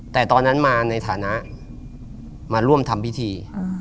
แต่ตอนนั้นมาในฐานะมาร่วมทำพิธี